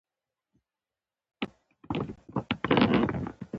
زه د شورا رییس ته ورغلم.